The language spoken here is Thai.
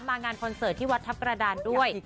งานคอนเสิร์ตที่วัดทัพกระดานด้วย